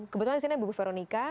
kebetulan disini buku veronica